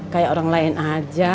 kayak orang lain aja